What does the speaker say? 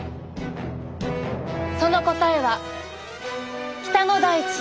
その答えは北の大地